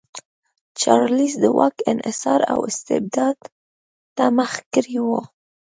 چارلېز د واک انحصار او استبداد ته مخه کړې وه.